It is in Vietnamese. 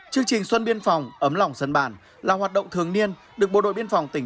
chương trình xuân biên phòng ấm lòng dân bản là hoạt động thường niên được bộ đội biên phòng tỉnh